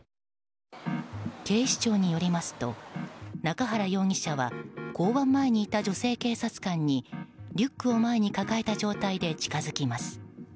警視庁によりますと中原容疑者は交番前にいた女性警察官にリュックを前に抱えた状態で近づきます。